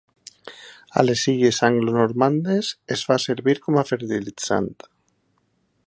A les Illes anglonormandes es fa servir com a fertilitzant.